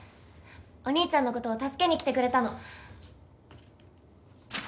お義兄ちゃんの事を助けに来てくれたの。